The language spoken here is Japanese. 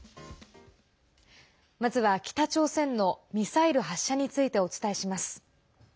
まずは北朝鮮のミサイル発射についてお伝えします。